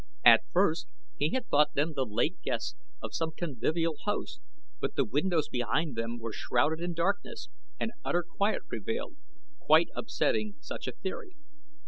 At first he had thought them the late guests of some convivial host; but the windows behind them were shrouded in darkness and utter quiet prevailed, quite upsetting such a theory.